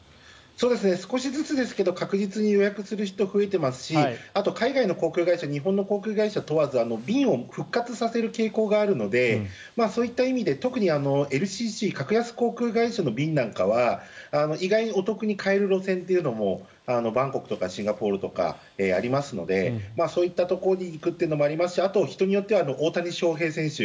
少しずつですが確実に予約する人、増えていますしあと、海外の航空会社日本の航空会社問わず便を復活させる傾向があるのでそういった意味で特にＬＣＣ・格安航空会社の便なんかは意外にお得に買える路線というのもバンコクとかシンガポールとかありますのでそういったところに行くというのもありますしあとは人によっては大谷翔平選手